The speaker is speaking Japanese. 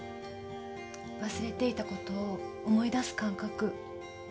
忘れていたことを思い出す間隔。